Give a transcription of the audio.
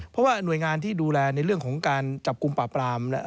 เพราะว่าหน่วยงานที่ดูแลในเรื่องของการจับกลุ่มปราบปราม